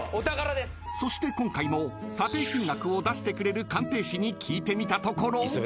［そして今回も査定金額を出してくれる鑑定士に聞いてみたところ］